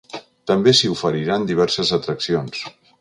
També s’hi oferiran diverses atraccions.